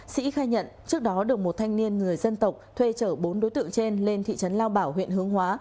sĩ khai nhận trước đó được một thanh niên người dân tộc thuê trở bốn đối tượng trên lên thị trấn lao bảo huyện hướng hóa